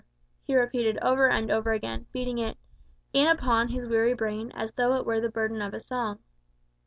_" he repeated over and over again, beating it "In upon his weary brain, As though it were the burden of a song."